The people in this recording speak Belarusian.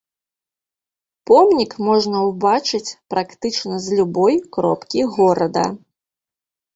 Помнік можна ўбачыць практычна з любой кропкі горада.